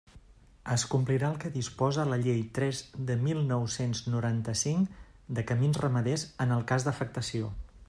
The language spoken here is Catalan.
Es complirà el que disposa la Llei tres de mil nou-cents noranta-cinc, de camins ramaders, en el cas d'afectació.